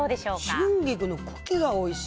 春菊の茎がおいしい。